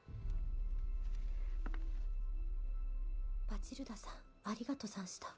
「バチルダさんありがとざんした」